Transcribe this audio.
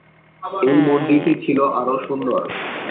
এই মন্দিরটি ছিল আরও সুন্দর।